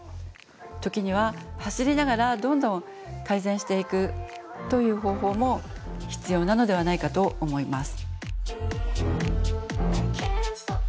時には走りながらどんどん改善していくという方法も必要なのではないかと思います。